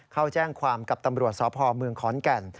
เข้าแจ้งความกับตำรวจสพเมืองขอนแก่น